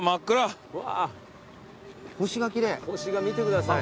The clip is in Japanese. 星が見てください